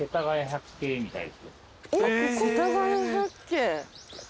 はい。